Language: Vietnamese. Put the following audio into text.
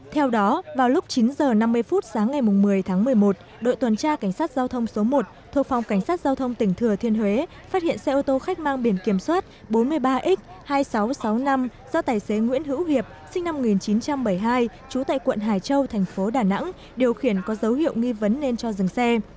theo đó vào lúc chín h năm mươi phút sáng ngày một mươi tháng một mươi một đội tuần tra cảnh sát giao thông số một thuộc phòng cảnh sát giao thông tỉnh thừa thiên huế phát hiện xe ô tô khách mang biển kiểm soát bốn mươi ba x hai nghìn sáu trăm sáu mươi năm do tài xế nguyễn hữu hiệp sinh năm một nghìn chín trăm bảy mươi hai trú tại quận hải châu thành phố đà nẵng điều khiển có dấu hiệu nghi vấn nên cho dừng xe